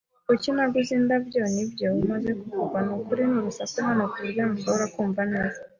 Kuki naguze indabyo? Nibyo umaze kuvuga? Nukuri ni urusaku hano kuburyo ntashobora kumva neza.